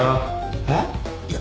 えっ！？いや。